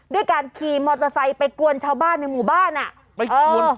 ด้วยการขี่มอเตอร์ไซค์ไปกวนชาวบ้านในหมู่บ้านอ่ะไปชน